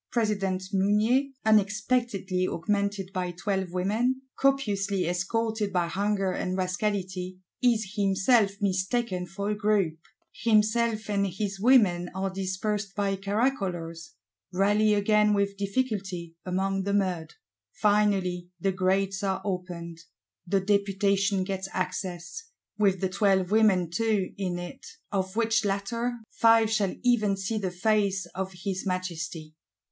President Mounier, unexpectedly augmented by Twelve Women, copiously escorted by Hunger and Rascality, is himself mistaken for a group: himself and his Women are dispersed by caracolers; rally again with difficulty, among the mud. Finally the Grates are opened: the Deputation gets access, with the Twelve Women too in it; of which latter, Five shall even see the face of his Majesty.